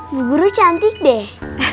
bu guru cantik deh